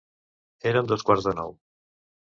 Eren dos quarts de nou.